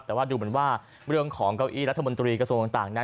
แต่ว่าดูเหมือนว่าเรื่องของเก้าอี้รัฐมนตรีกระทรวงต่างนั้น